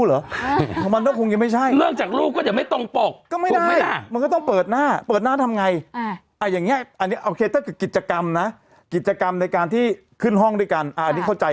ลงไปเช็คของนิดหนึ่งว่าเป็นอย่างไร